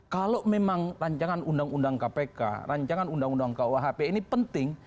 kalau memang rancangan undang undang kpk rancangan undang undang kuhp ini penting